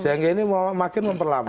sehingga ini makin memperlama